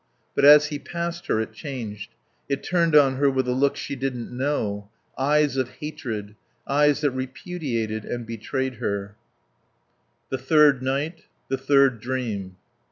But as he passed her it changed; it turned on her with a look she didn't know. Eyes of hatred, eyes that repudiated and betrayed her. The third night; the third dream.